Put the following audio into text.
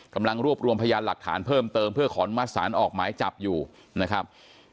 กำลังรวบรวมพยานหลักฐานเพิ่มเติมเพื่อขออนุมัติศาลออกหมายจับอยู่นะครับ